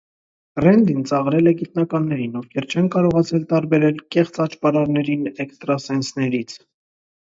Ռենդին ծաղրել է «գիտնականներին», ովքեր չեն կարողացել տարբերել կեղծ աճպարարներին էքստրասենսներից։